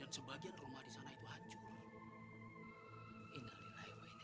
dan sebagian rumah di sana itu hancur